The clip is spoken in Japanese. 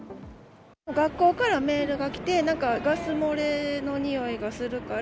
学校からメールが来て、なんかガス漏れの臭いがするから。